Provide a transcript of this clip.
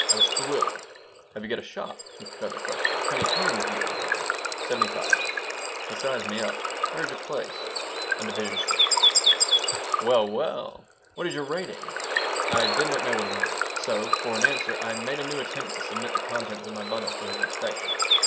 I was thrilled "Have you got a shop?" he further questioned. "How many hands do you employ?" "Seventy five." He sized me up. "Where is your place?" "On Division Street." "Well, well! What is your rating?" I did not know what he meant. So, for an answer, I made a new attempt to submit the contents of my bundle for his inspection.